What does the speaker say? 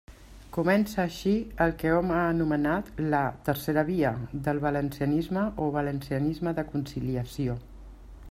Comença així el que hom ha anomenat la «tercera via» del valencianisme o valencianisme de conciliació.